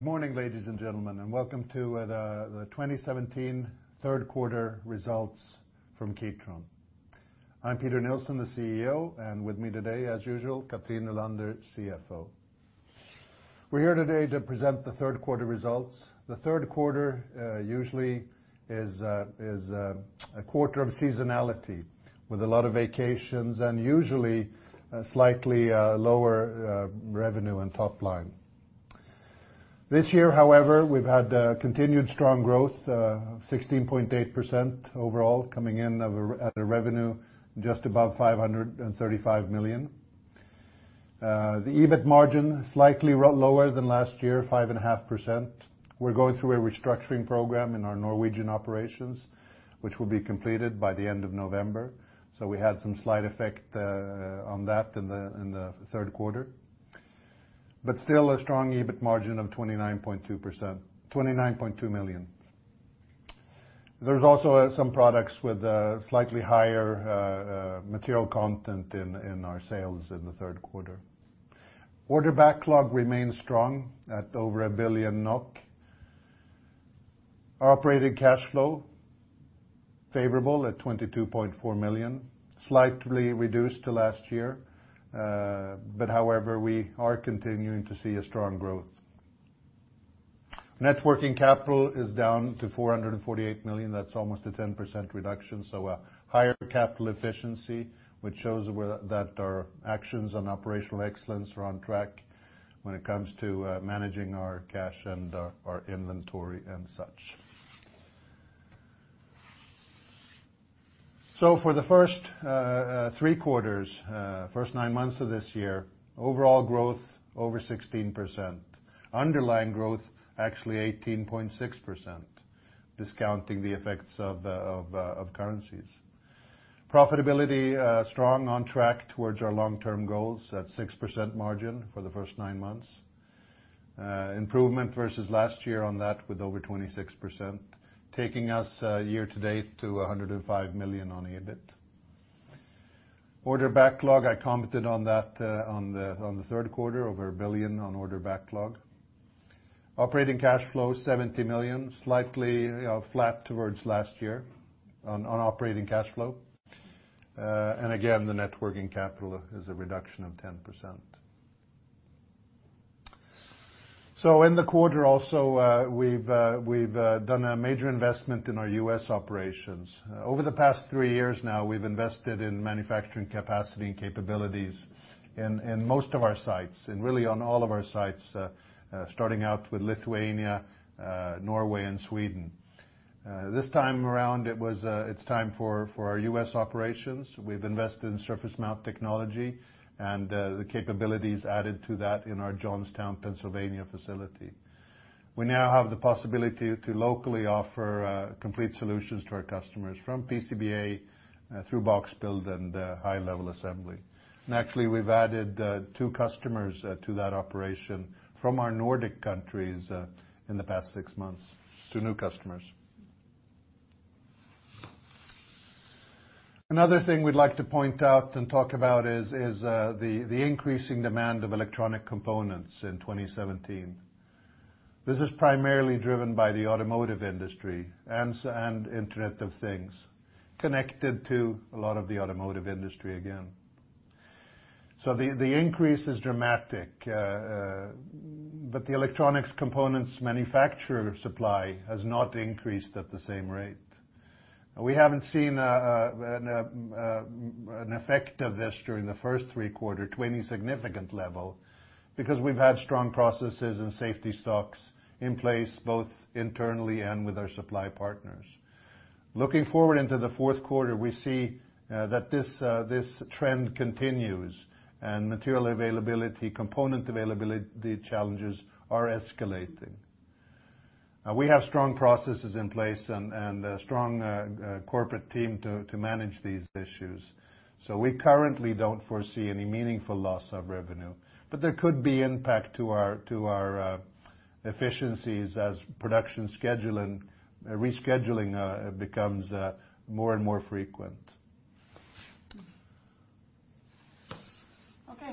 Good morning, ladies and gentlemen, and welcome to the 2017 third quarter results from Kitron. I'm Peter Nilsson, the CEO, and with me today, as usual, Cathrin Nylander, CFO. We're here today to present the third quarter results. The third quarter usually is a quarter of seasonality with a lot of vacations and usually a slightly lower revenue and top line. This year, however, we've had continued strong growth, 16.8% overall coming in of a, at a revenue just above 535 million. The EBIT margin slightly lower than last year, 5.5%. We're going through a restructuring program in our Norwegian operations, which will be completed by the end of November. We had some slight effect on that in the third quarter. Still a strong EBIT margin of 29.2%, 29.2 million. There's also some products with a slightly higher material content in our sales in the third quarter. Order backlog remains strong at over 1 billion NOK. Operating cash flow favorable at 22.4 million, slightly reduced to last year. However, we are continuing to see a strong growth. Net working capital is down to 448 million. That's almost a 10% reduction, a higher capital efficiency which shows where, that our actions on operational excellence are on track when it comes to managing our cash and our inventory and such. For the first three quarters, first nine months of this year, overall growth over 16%. Underlying growth actually 18.6%, discounting the effects of currencies. Profitability strong on track towards our long-term goals at 6% margin for the first nine months. Improvement versus last year on that with over 26%, taking us year to date to 105 million on EBIT. Order backlog, I commented on that on the third quarter, over 1 billion on order backlog. Operating cash flow 70 million, slightly, you know, flat towards last year on operating cash flow. Again, the net working capital is a reduction of 10%. In the quarter also, we've done a major investment in our U.S. operations. Over the past three years now, we've invested in manufacturing capacity and capabilities in most of our sites, and really on all of our sites, starting out with Lithuania, Norway, and Sweden. This time around, it was, it's time for our U.S. operations. We've invested in Surface Mount Technology and the capabilities added to that in our Johnstown, Pennsylvania facility. We now have the possibility to locally offer complete solutions to our customers from PCBA through box-build and high-level assembly. Actually, we've added two customers to that operation from our Nordic countries in the past six months to new customers. Another thing we'd like to point out and talk about is the increasing demand of electronic components in 2017. This is primarily driven by the automotive industry and Internet of Things connected to a lot of the automotive industry again. The increase is dramatic, but the electronics components manufacturer supply has not increased at the same rate. We haven't seen an effect of this during the first three quarters to any significant level because we've had strong processes and safety stocks in place both internally and with our supply partners. Looking forward into the fourth quarter, we see that this trend continues and material availability, component availability challenges are escalating. We have strong processes in place and a strong corporate team to manage these issues. We currently don't foresee any meaningful loss of revenue. There could be impact to our efficiencies as production scheduling, rescheduling becomes more and more frequent.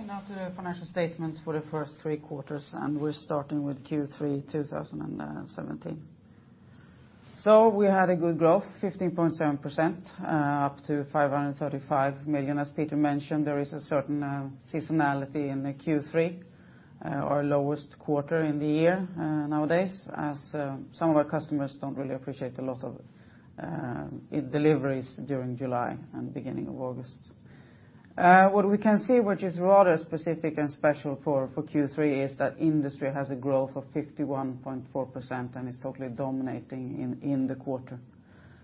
Now to the financial statements for the first three quarters. We're starting with Q3 2017. We had a good growth, 15.7%, up to 535 million. As Peter mentioned, there is a certain seasonality in the Q3, our lowest quarter in the year nowadays, as some of our customers don't really appreciate a lot of deliveries during July and beginning of August. What we can see, which is rather specific and special for Q3, is that industry has a growth of 51.4% and is totally dominating in the quarter.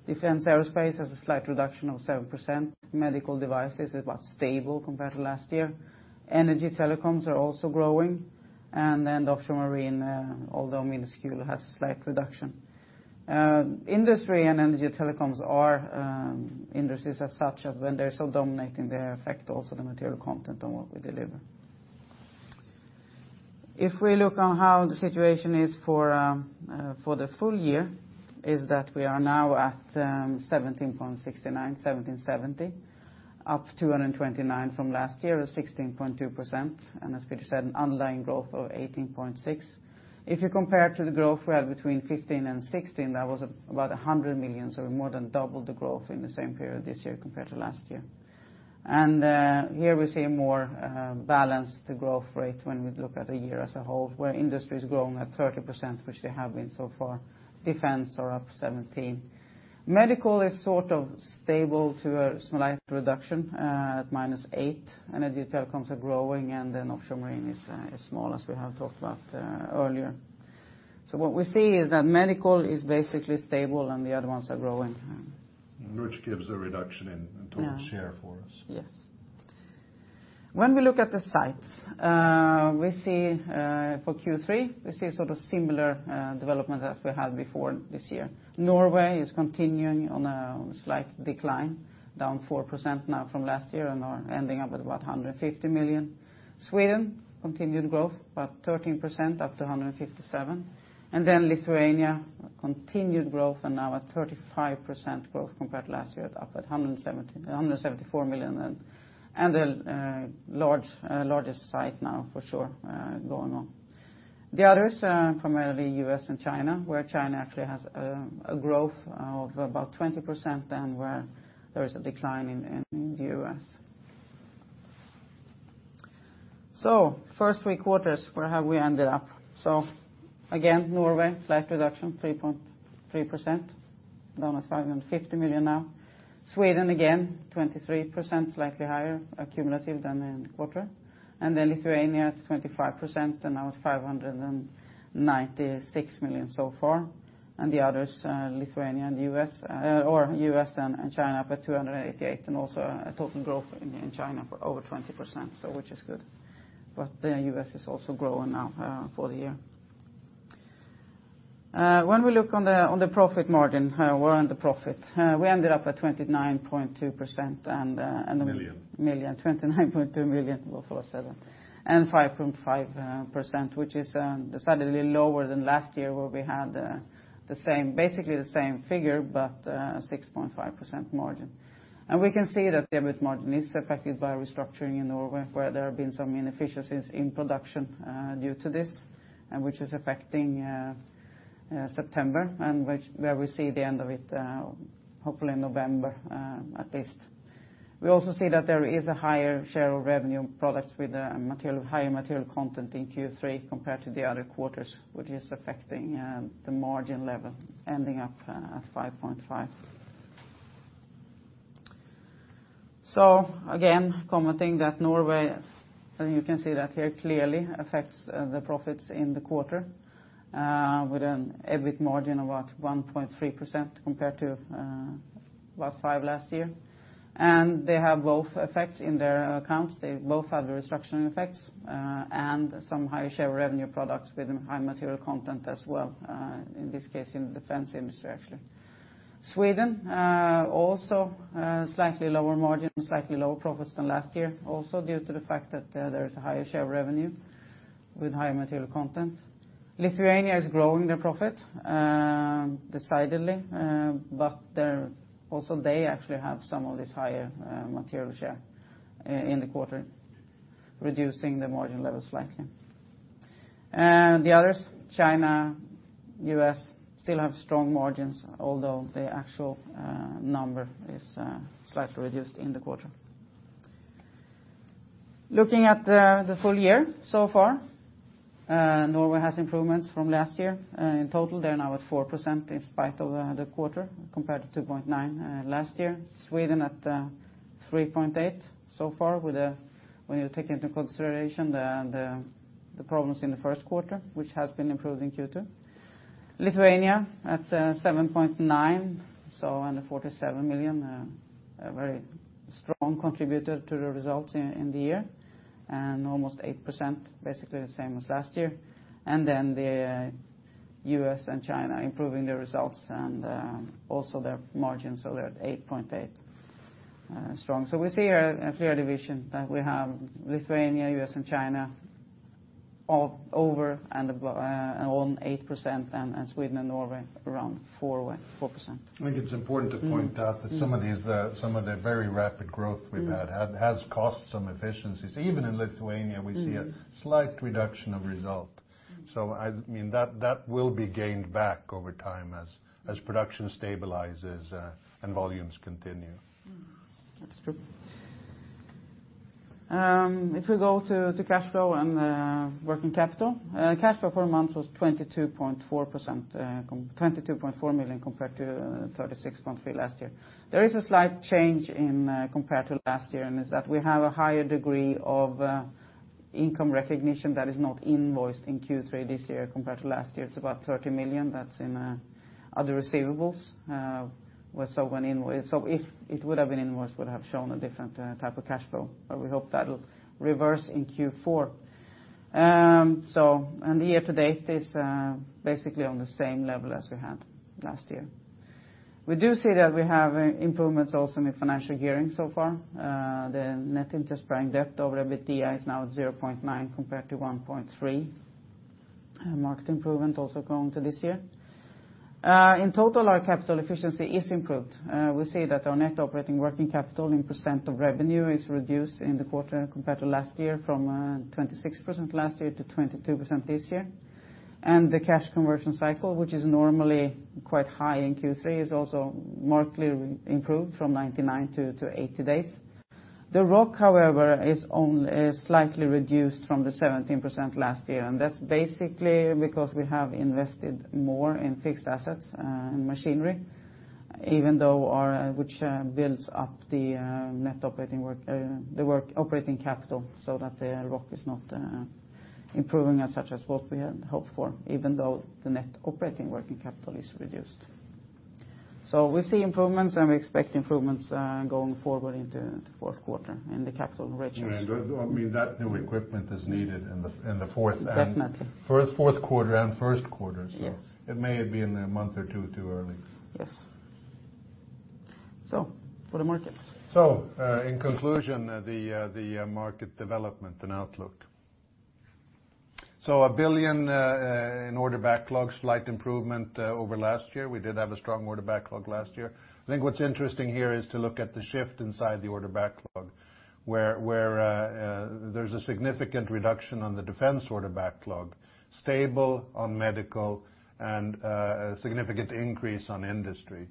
Defense aerospace has a slight reduction of 7%. Medical devices is about stable compared to last year. Energy telecoms are also growing. Offshore marine, although minuscule, has a slight reduction. Industry and energy telecoms are industries as such that when they're so dominating, they affect also the material content on what we deliver. If we look on how the situation is for the full year, is that we are now at 17.69, 17.70, up 229 from last year, or 16.2%. As Peter said, an underlying growth of 18.6%. If you compare to the growth we had between 2015 and 2016, that was about 100 million, so we more than doubled the growth in the same period this year compared to last year. Here we see a more balanced growth rate when we look at the year as a whole, where industry's growing at 30%, which they have been so far. Defense are up 17%. Medical is sort of stable to a slight reduction, at -8. Energy and telecoms are growing. Offshore Marine is small, as we have talked about, earlier. What we see is that Medical is basically stable and the other ones are growing. Which gives a reduction in- Yeah... total share for us. Yes. When we look at the sites, we see for Q3, we see sort of similar development as we had before this year. Norway is continuing on a slight decline, down 4% now from last year and are ending up with about 150 million. Sweden, continued growth, about 13%, up to 157 million. Lithuania, a continued growth and now at 35% growth compared to last year, up at 170 million, 174 million and the largest site now for sure going on. The others, primarily US and China, where China actually has a growth of about 20% and where there is a decline in the US. First three quarters, where have we ended up? Again, Norway, slight reduction, 3.3%, down at 550 million now. Sweden, again, 23%, slightly higher cumulative than in the quarter. Then Lithuania at 25% and now at 596 million so far. The others, Lithuania and US, or US and China up at 288 million, and also a total growth in China for over 20%, which is good. The US is also growing now for the year. When we look on the, on the profit margin, we're on the profit. We ended up at 29.2%. Million. Million. NOK 29.2 million before seven. 5.5%, which is decidedly lower than last year, where we had the same, basically the same figure, but 6.5% margin. We can see that the EBIT margin is affected by restructuring in Norway, where there have been some inefficiencies in production due to this, and which is affecting September, and which, where we see the end of it, hopefully November, at least. We also see that there is a higher share of revenue products with material, higher material content in Q3 compared to the other quarters, which is affecting the margin level, ending up at 5.5%. Again, commenting that Norway, and you can see that here clearly, affects the profits in the quarter, with an EBIT margin of about 1.3% compared to about 5% last year. They have both effects in their accounts. They both have the restructuring effects and some higher share of revenue products with high material content as well, in this case in the defense industry, actually. Sweden also slightly lower margin, slightly lower profits than last year, also due to the fact that there is a higher share of revenue with higher material content. Lithuania is growing their profit decidedly, but they're, also they actually have some of this higher material share in the quarter, reducing the margin level slightly. The others, China, US, still have strong margins, although the actual number is slightly reduced in the quarter. Looking at the full year so far, Norway has improvements from last year. In total, they're now at 4% in spite of the quarter, compared to 2.9% last year. Sweden at 3.8% so far with the, when you take into consideration the problems in the first quarter, which has been improved in Q2. Lithuania at 7.9%, so under 47 million, a very strong contributor to the results in the year, and almost 8%, basically the same as last year. The US and China improving their results and also their margins, so they're at 8.8% strong. We see a clear division that we have Lithuania, U.S. and China all over on 8% and Sweden and Norway around 4%. I think it's important to point out. Mm-hmm... that some of the very rapid growth we've had... Mm-hmm... has cost some efficiencies. Even in Lithuania. Mm-hmm... we see a slight reduction of result. I mean, that will be gained back over time as production stabilizes and volumes continue. That's true. If we go to cash flow and working capital, cash flow for the month was 22.4 million compared to 36.3 million last year. There is a slight change in compared to last year, and it's that we have a higher degree of income recognition that is not invoiced in Q3 this year compared to last year. It's about 30 million that's in other receivables, where someone so if it would have been invoiced, would have shown a different type of cash flow. We hope that'll reverse in Q4. The year to date is basically on the same level as we had last year. We do see that we have improvements also in the financial gearing so far. The net interest-bearing debt over EBITDA is now 0.9 compared to 1.3. Market improvement also going to this year. In total, our capital efficiency is improved. We see that our net operating working capital in percent of revenue is reduced in the quarter compared to last year from 26% last year to 22% this year. The cash conversion cycle, which is normally quite high in Q3, is also markedly improved from 99-80 days. The ROC, however, is slightly reduced from the 17% last year, and that's basically because we have invested more in fixed assets and machinery, even though our, which builds up the net operating work. The work operating capital so that the ROC is not improving as such as what we had hoped for, even though the net operating working capital is reduced. We see improvements, and we expect improvements, going forward into the fourth quarter in the capital ratios. Yeah, I mean, that new equipment is needed in the fourth. Definitely. First, fourth quarter and first quarter. Yes. It may have been a month or two too early. Yes. For the market. In conclusion, the market development and outlook. 1 billion in order backlogs, slight improvement over last year. We did have a strong order backlog last year. I think what's interesting here is to look at the shift inside the order backlog where there's a significant reduction on the defense order backlog, stable on medical and a significant increase on industry,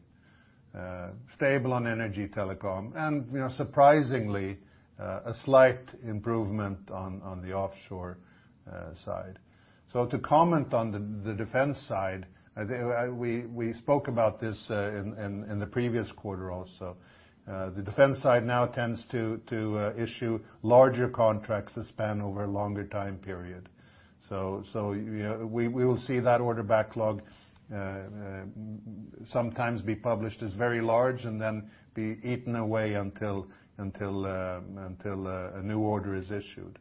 stable on energy telecom and, you know, surprisingly, a slight improvement on the offshore side. To comment on the defense side, I think we spoke about this in the previous quarter also. The defense side now tends to issue larger contracts that span over a longer time period. We will see that order backlog sometimes be published as very large and then be eaten away until a new order is issued.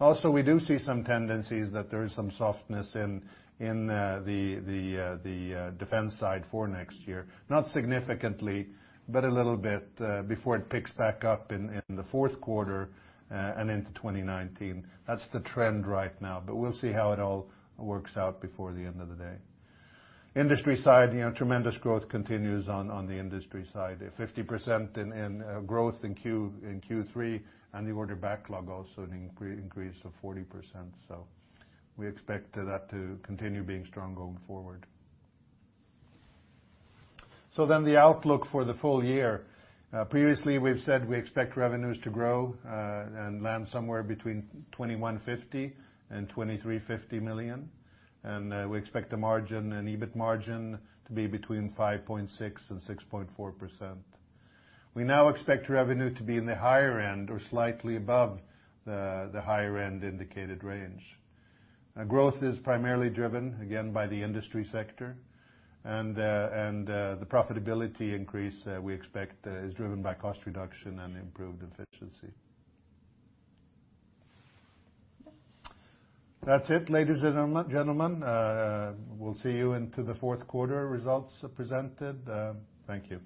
Also, we do see some tendencies that there is some softness in the defense side for next year. Not significantly, but a little bit before it picks back up in the fourth quarter and into 2019. That's the trend right now, but we'll see how it all works out before the end of the day. Industry side, you know, tremendous growth continues on the industry side, 50% in growth in Q3, and the order backlog also an increase of 40%. We expect that to continue being strong going forward. The outlook for the full year. Previously, we've said we expect revenues to grow, and land somewhere between 2,150 million and 2,350 million. We expect the margin and EBIT margin to be between 5.6% and 6.4%. We now expect revenue to be in the higher end or slightly above the higher end indicated range. Growth is primarily driven again by the industry sector and the profitability increase we expect is driven by cost reduction and improved efficiency. Yes. That's it, ladies and gentlemen. We'll see you into the fourth quarter results presented. Thank you.